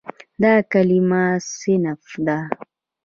دا کلمه "صنف" ده.